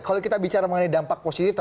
kalau kita bicara mengenai dampak positif